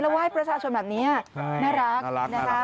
ไหว้ประชาชนแบบนี้น่ารักนะคะ